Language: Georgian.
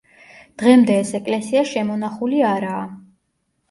დღემდე ეს ეკლესია შემონახული არაა.